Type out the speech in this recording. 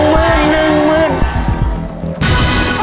๑วัน